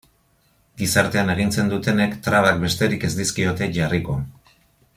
Gizartean agintzen dutenek trabak besterik ez dizkiote jarriko.